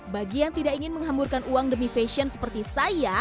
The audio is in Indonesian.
bagi yang tidak ingin menghamburkan uang demi fashion seperti saya